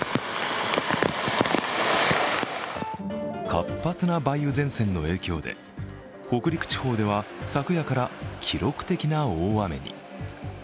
活発な梅雨前線の影響で北陸地方では昨夜から記録的な大雨に。